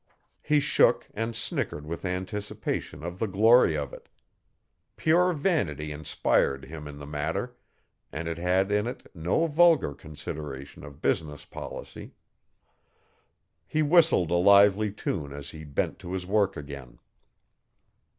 He shook and snickered with anticipation of the glory of it. Pure vanity inspired him in the matter and it had in it no vulgar consideration of business policy. He whistled a lively tune as he bent to his work again.